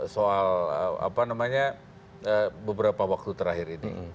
soal apa namanya beberapa waktu terakhir ini